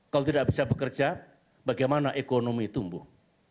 kalau tidak bisa bekerja bagaimana ekonomi tumbuh